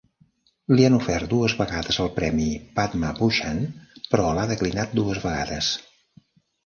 Li han ofert dues vegades el premi Padma Bhushan, però l'ha declinat dues vegades.